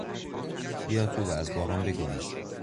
بیا تو و از باران بگریز!